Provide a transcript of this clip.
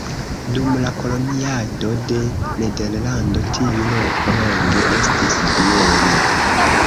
Dum la koloniado de Nederlando tiu loko longe estis bieno.